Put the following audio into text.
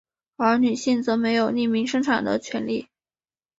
而女性则没有匿名生产的权力。